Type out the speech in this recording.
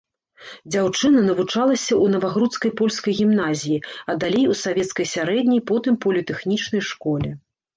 Дзяўчына навучалася ў навагрудскай польскай гімназіі, а далей у савецкай сярэдняй, потым політэхнічнай школе.